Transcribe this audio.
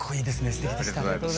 すてきでした。